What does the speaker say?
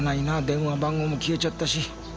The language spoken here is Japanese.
電話番号も消えちゃったし。